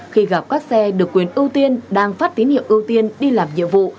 khi gặp các xe được quyền ưu tiên đang phát tín hiệu ưu tiên đi làm nhiệm vụ